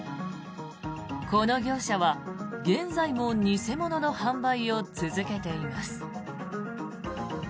この業者は現在も偽物の販売を続けています。